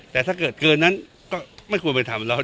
แต่ถ้าเกิดเกินนั้นก็ไม่ควรไปทำแล้ว